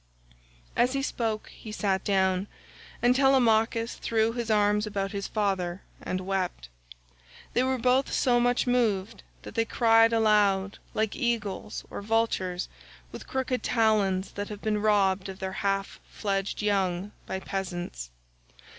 As he spoke he sat down, and Telemachus threw his arms about his father and wept. They were both so much moved that they cried aloud like eagles or vultures with crooked talons that have been robbed of their half fledged young by peasants.